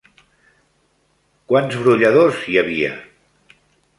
Quants brolladors hi havia?